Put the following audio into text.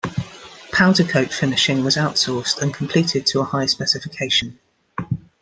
Powder coat finishing was outsourced and completed to a high specification.